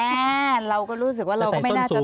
แม่เราก็รู้สึกว่าเราก็ไม่น่าจะ